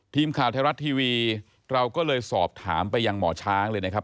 ทีมข่าวไทยรัฐทีวีเราก็เลยสอบถามไปยังหมอช้างเลยนะครับ